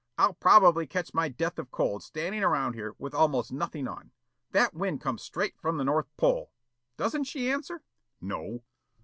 "I'll probably catch my death of cold standing around here with almost nothing on. That wind comes straight from the North Pole. Doesn't she answer?" "No."